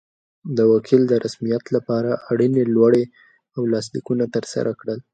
وکیل د رسمیت لپاره اړینې لوړې او لاسلیکونه ترسره کړل.